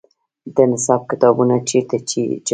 د نصاب کتابونه چیرته چاپیږي؟